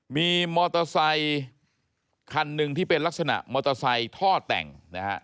มีมอเตอร์ไซคันหนึ่งที่เป็นลักษณะมอเตอร์ไซค์ท่อแต่งนะฮะ